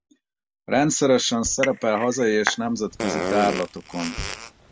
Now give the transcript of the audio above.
Rendszeresen szerepel hazai és nemzetközi tárlatokon.